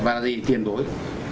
và gì tiền đối